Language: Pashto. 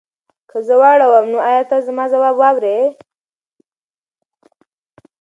که زه واوړم نو ایا ته به زما ځواب واورې؟